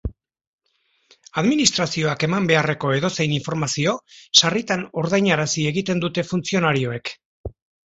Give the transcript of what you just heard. Administrazioak eman beharreko edozein informazio sarritan ordainarazi egiten dute funtzionarioek.